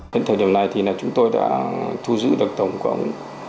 đến thời điểm này thì chúng tôi đã thu giữ được tổng cộng